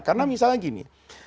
karena misalnya begini